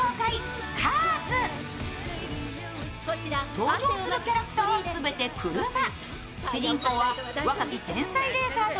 登場するキャラクターは全て車。